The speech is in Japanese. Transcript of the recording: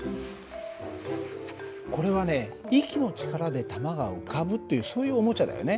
これはね息の力で球が浮かぶっていうそういうおもちゃだよね。